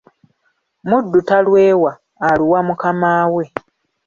Muddu talwewa, aluwa mukamaawe.